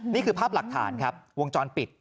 นี่คือภาพหลักฐานครับวงจรปิด